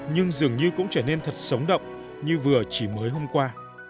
nhưng dường như cũng trở nên thật sống động như vừa chỉ mới hôm qua